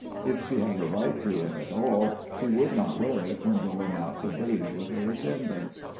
If she had a right to it at all, she would not wear it when going out to bathe with her attendants.